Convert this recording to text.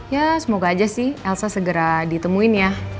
ya semoga aja sih elsa segera ditemuin ya